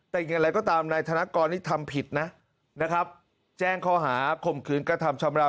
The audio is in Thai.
แต่อย่างไรก็ตามนายธนกรนี่ทำผิดนะนะครับแจ้งข้อหาข่มขืนกระทำชำราว